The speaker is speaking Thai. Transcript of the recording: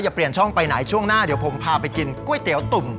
เปลี่ยนช่องไปไหนช่วงหน้าเดี๋ยวผมพาไปกินก๋วยเตี๋ยวตุ่ม